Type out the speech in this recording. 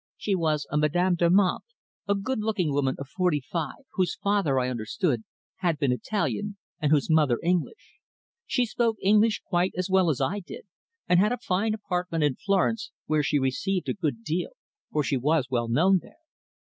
She was a Madame Damant, a good looking woman of forty five, whose father, I understood, had been Italian, and whose mother English. She spoke English quite as well as I did, and had a fine apartment in Florence, where she received a good deal, for she was well known there.